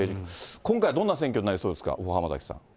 今回どんな選挙になりそうですか、大濱崎さん。